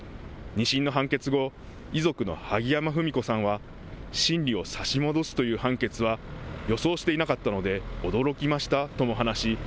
２審の判決後、遺族の萩山文子さんは審理を差し戻すという判決は予想していなかったので驚きましたとも話し